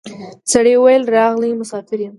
سړي وویل راغلی مسافر یم